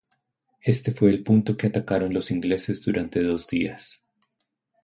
Éste fue el punto que atacaron los ingleses durante dos días.